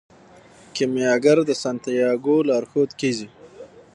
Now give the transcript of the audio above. کیمیاګر د سانتیاګو لارښود کیږي.